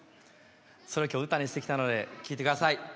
それを今日歌にしてきたので聴いてください。